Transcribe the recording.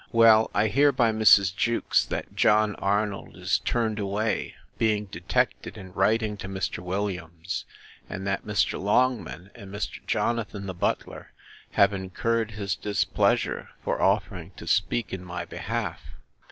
Well, I hear by Mrs. Jewkes, that John Arnold is turned away, being detected in writing to Mr. Williams; and that Mr. Longman, and Mr. Jonathan the butler, have incurred his displeasure, for offering to speak in my behalf.